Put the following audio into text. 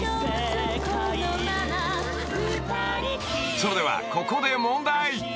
［それではここで］